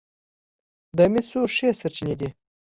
د مسو ښې سرچینې دي.